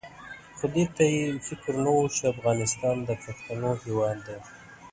خو دې ته یې فکر نه وو چې افغانستان د پښتنو هېواد دی.